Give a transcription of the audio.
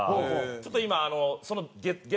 ちょっと今その。